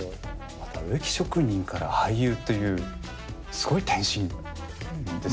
また植木職人から俳優というすごい転身ですね。